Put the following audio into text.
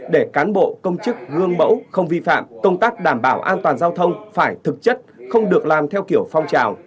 để cán bộ công chức gương mẫu không vi phạm công tác đảm bảo an toàn giao thông phải thực chất không được làm theo kiểu phong trào